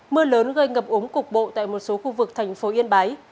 mưa lớn gây ngập ống cục bộ tại một số khu vực thành phố yên bái